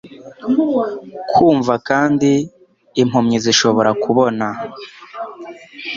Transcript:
kumva kandi impumyi zishobora kubona